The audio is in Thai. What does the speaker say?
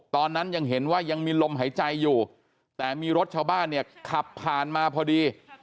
ตอนนั้นยังเห็นว่ายังมีลมหายใจอยู่แต่มีรถชาวบ้านเนี่ยขับผ่านมาพอดี